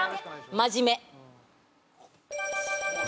真面目。